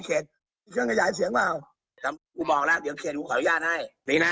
เขาจะยิ่งดูอยู่